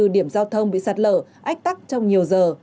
hai mươi bốn điểm giao thông bị sạt lở ách tắc trong nhiều giờ